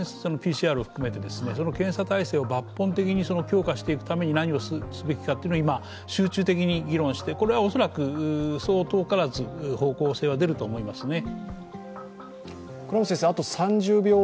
ＰＣＲを含めて検査体制を抜本的に強化していくために何をすべきかというのは今、集中的に議論してこれは恐らくそう遠からず方向性は出ると思います。